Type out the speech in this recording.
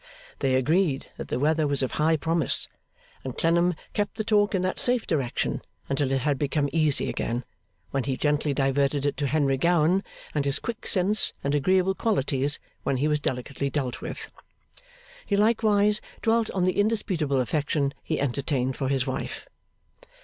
They agreed that the weather was of high promise; and Clennam kept the talk in that safe direction until it had become easy again, when he gently diverted it to Henry Gowan and his quick sense and agreeable qualities when he was delicately dealt with; he likewise dwelt on the indisputable affection he entertained for his wife.